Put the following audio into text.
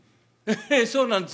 「へえそうなんです。